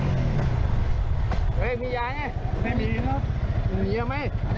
สุดท้ายเนี่ยขี่รถหน้าที่ก็ไม่ยอมหยุดนะฮะ